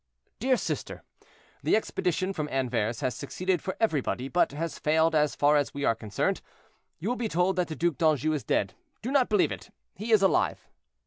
"DEAR SISTER—The expedition from Anvers has succeeded for everybody, but has failed as far as we are concerned. You will be told that the Duc d'Anjou is dead; do not believe it—he is alive.